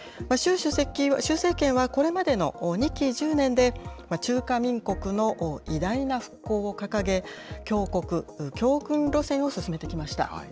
習政権は、これまでの２期１０年で、中華民国の偉大な復興を掲げ、強国・強軍路線を進めてきました。